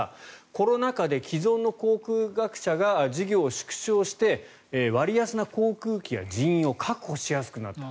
コロナ禍で既存の航空各社が事業を縮小して割安な航空機や人員を確保しやすくなった。